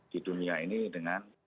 di dunia ini dengan